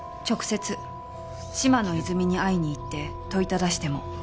直接嶋野泉水に会いに行って問いただしても。